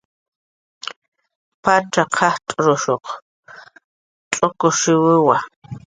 Patzaq jajch'urun chukushuwiwa